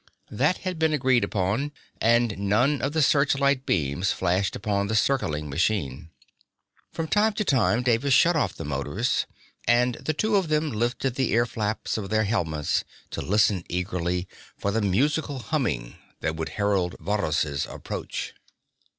That had been agreed upon, and none of the searchlight beams flashed upon the circling machine. From time to time Davis shut off the motors, and the two of them lifted the ear flaps of their helmets to listen eagerly for the musical humming that would herald Varrhus' approach.